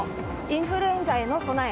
インフルエンザへの備え。